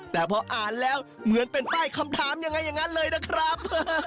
แต่พออ่านแล้วเหมือนเป็นป้ายคำถามยังไงอย่างนั้นเลยนะครับ